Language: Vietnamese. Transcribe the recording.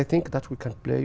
trong tương lai